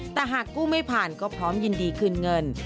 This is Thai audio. แต่หากกู้ไม่ผ่านก็พร้อมยินดีคืนเงิน